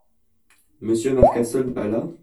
Monsieur Marcassol n’est pas là ?